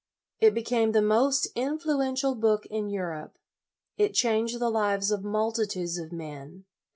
It became the most influential book in Europe. It changed the lives of multi tudes of men.